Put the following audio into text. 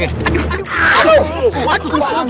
aduhiiii steve pasar